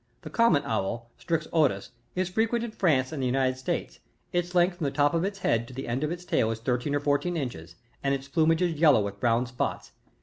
The common owl, — Strix otug^ — is frequent in France and the United States ; its length from the top of its head to the end of the tail is thirteen or fourteen inches, and its plumage is yellow with brown spots.